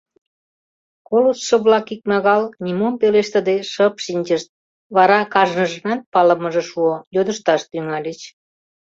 Колыштшо-влак икмагал, нимом пелештыде, шып шинчышт, вара кажныжынат палымыже шуо, йодышташ тӱҥальыч: